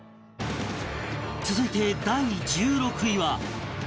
続いて第１６位は